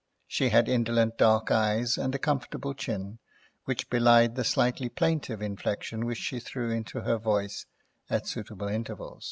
She had indolent dark eyes and a comfortable chin, which belied the slightly plaintive inflection which she threw into her voice at suitable intervals.